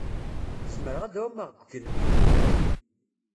Zemreɣ ad ɛumeɣ deg ugelmim?